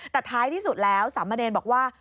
แต่ท้ายที่สุดแล้วสามเณรบอกว่า